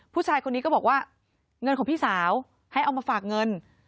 ผู้ชายคนนี้ก็บอกว่าเงินของพี่สาวให้เอามาฝากเงิน